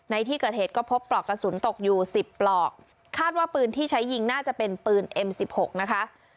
ในที่เกิดเหตุก็พบปลอกกระสุนตกอยู่สิบปลอกคาดว่าปืนที่ใช้ยิงน่าจะเป็นปืนเอ็มสิบหกนะคะ